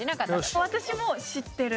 私も知ってる？